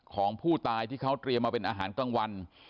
ของผู้ตายที่เขาเตรียมมาเป็นอาหารกลางวัน